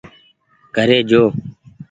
گهري جو